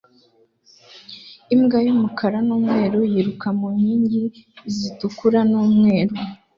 imbwa y'umukara n'umweru yiruka mu nkingi zitukura n'umweru